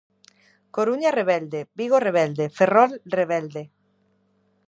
Coruña Rebelde, Vigo Rebelde, Ferrol Rebelde.